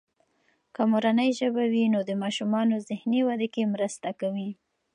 که مورنۍ ژبه وي، نو د ماشومانو ذهني ودې کې مرسته کوي.